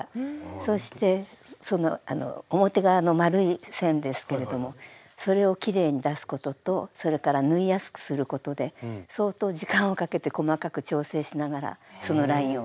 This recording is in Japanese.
そしてその表側の丸い線ですけれどもそれをきれいに出すこととそれから縫いやすくすることで相当時間をかけて細かく調整しながらそのラインを作りました。